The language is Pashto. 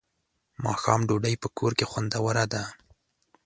ماښام ډوډۍ په کور کې خوندوره ده.